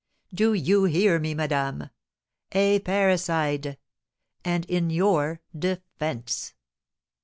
Do you hear me, madame? A parricide! And in your defence!"